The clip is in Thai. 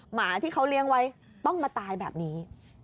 หมาที่เขาเลี้ยงไว้ต้องมาตายแบบนี้